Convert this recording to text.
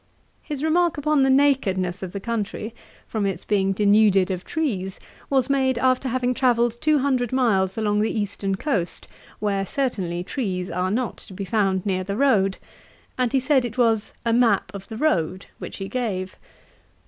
His remark upon the nakedness of the country, from its being denuded of trees, was made after having travelled two hundred miles along the eastern coast, where certainly trees are not to be found near the road; and he said it was 'a map of the road' which he gave.